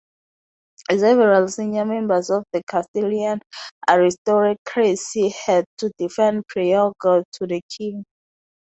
Several senior members of the Castilian aristocracy had to defend Priego to the king.